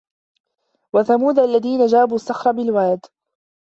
وَثَمودَ الَّذينَ جابُوا الصَّخرَ بِالوادِ